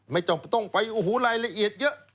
ไม่ต้องไปโอ้โหรายละเอียดเยอะ